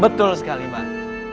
betul sekali mbak